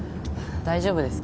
大丈夫ですか？